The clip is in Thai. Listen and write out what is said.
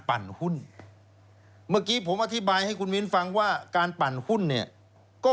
หุ้นเมื่อกี้ผมอธิบายให้คุณมิ้นฟังว่าการปั่นหุ้นเนี่ยก็